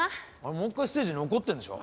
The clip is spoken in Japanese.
もう一回ステージ残ってるんでしょ？